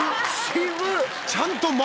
渋っ！